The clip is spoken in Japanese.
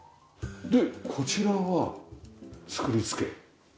でこちらは作り付け。